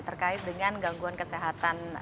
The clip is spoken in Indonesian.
terkait dengan gangguan kesehatan